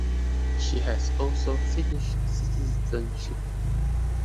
She has also Finnish citizenship.